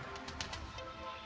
ini udah kaget